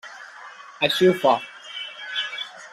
Així ho fa.